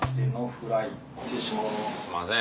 すいません